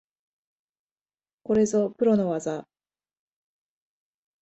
これぞプロの技